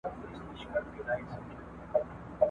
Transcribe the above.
چي تر څو مي نوم یادیږي چي سندری مي شرنګیږي !.